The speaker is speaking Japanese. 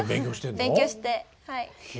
勉強してはい。